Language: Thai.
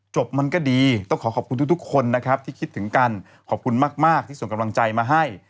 มันก็ดีต้องขอขอบคุณทุกคนนะครับที่คิดถึงกันขอบคุณมากที่ส่งกำลังใจมาให้